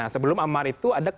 sebelum amar itu ada